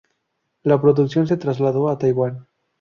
La producción se trasladó a Taiwán.